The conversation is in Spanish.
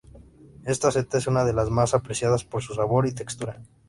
Esta seta es una de las más apreciadas por su sabor y textura.